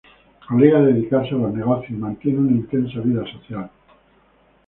Alega dedicarse a los negocios y mantiene una intensa vida social.